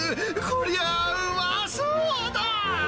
こりゃぁ、うまそうだ。